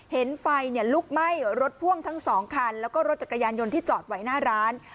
เห็นไฟลุกไหม้รถพ่วงทั้งสองคันแล้วก็รถจักรยานยนต์ที่จอดไว้หน้าร้าน